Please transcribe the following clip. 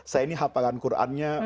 saya ini hafalan qurannya